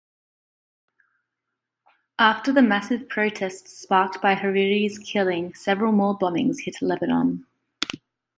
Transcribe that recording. After the massive protests sparked by Hariri's killing, several more bombings hit Lebanon.